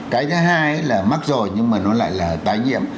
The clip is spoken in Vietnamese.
cái thứ hai là mắc rồi nhưng mà nó lại là tái nhiễm